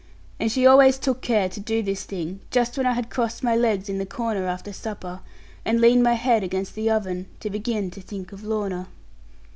And she always took care to do this thing just when I had crossed my legs in the corner after supper, and leaned my head against the oven, to begin to think of Lorna.